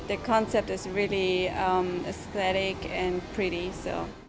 karena konsepnya sangat estetik dan cantik